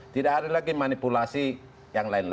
tidak ada lagi manipulasi yang lain lain